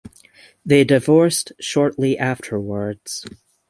They divorced shortly afterwards.